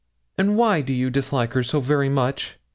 'And why do you dislike her so very much?'